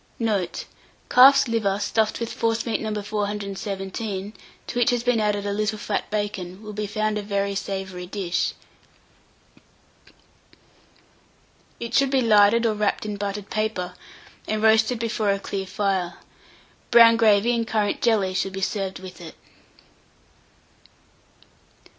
Note. Calf's liver stuffed with forcemeat No. 417, to which has been added a little fat bacon, will be found a very savoury dish. It should be larded or wrapped in buttered paper, and roasted before a clear fire. Brown gravy and currant jelly should be served with it.